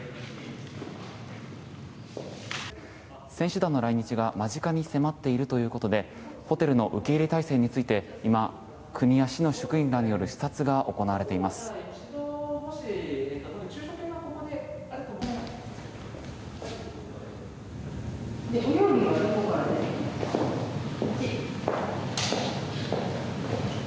選手団の来日が間近に迫っているということでホテルの受け入れ体制について今、国や市の職員らによる視察が行われています。